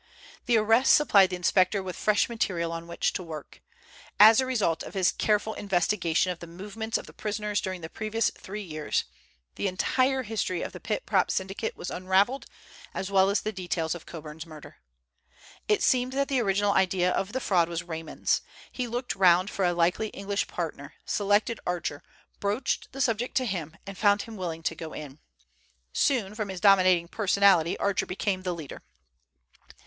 The arrests supplied the inspector with fresh material on which to work. As a result of his careful investigation of the movements of the prisoners during the previous three years, the entire history of the Pit Prop Syndicate was unravelled, as well as the details of Coburn's murder. It seemed that the original idea of the fraud was Raymond's. He looked round for a likely English partner, selected Archer, broached the subject to him, and found him willing to go in. Soon, from his dominating personality, Archer became the leader.